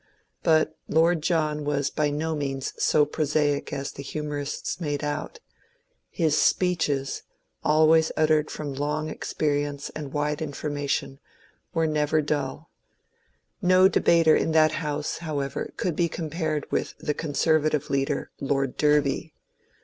But Lord John was by no means so prosaic as the humourists made out ; his speeches, always uttered from long experience and wide information, were never dull. No debater in that House, how ever, could be compared with the Conservative leader. Lord Derby.